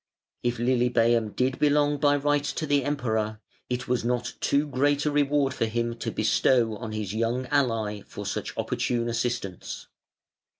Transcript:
If Lilybæum did belong by right to the Emperor it was not too great a reward for him to bestow on his young ally for such opportune assistance".